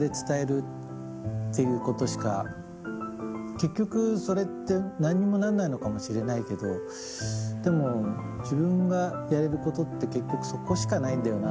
結局それって何にもなんないのかもしれないけどでも自分がやれることって結局そこしかないんだよな。